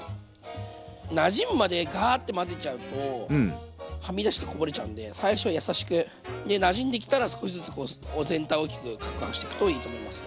なじむまでガーッて混ぜちゃうとはみ出してこぼれちゃうんで最初は優しくでなじんできたら少しずつ全体を大きくかくはんしていくといいと思いますね。